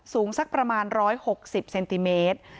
สูงสักประมาณ๑๖๐เซนติเมตร